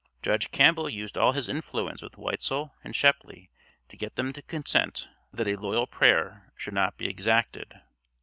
Judge Campbell used all his influence with Weitzel and Shepley to get them to consent that a loyal prayer should not be exacted.